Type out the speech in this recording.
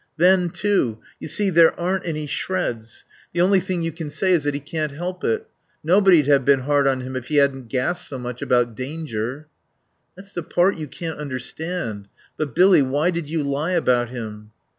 Then, too ... You see there aren't any shreds. The only thing you can say is he can't help it. Nobody'd have been hard on him if he hadn't gassed so much about danger." "That's the part you can't understand.... But, Billy, why did you lie about him?"